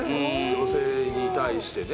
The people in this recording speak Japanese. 女性に対してね